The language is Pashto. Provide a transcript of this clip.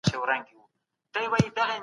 د طبي علومو د څېړني ساحه ټاکلي وي.